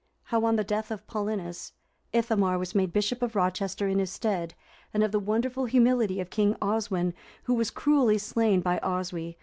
How on the death of Paulinus, Ithamar was made bishop of Rochester in his stead; and of the wonderful humility of King Oswin, who was cruelly slain by Oswy.